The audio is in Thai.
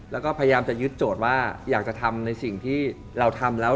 แล้วก็พยายามจะยึดโจทย์ว่าอยากจะทำในสิ่งที่เราทำแล้ว